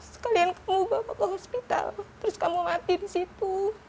sekalian kamu bapak ke hospital terus kamu mati di situ